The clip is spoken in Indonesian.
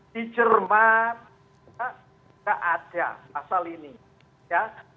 di jerman tidak ada pasal ini ya